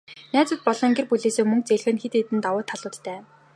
Найзууд болон гэр бүлээсээ мөнгө зээлэх нь хэд хэдэн давуу талуудтай.